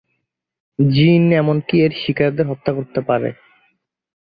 জিন এমনকি এর শিকারদের হত্যা করতে পারে।